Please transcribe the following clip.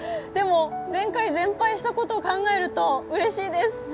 でも、前回全敗したことを考えるとうれしいです。